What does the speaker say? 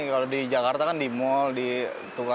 kalau di jakarta kan di mal di toko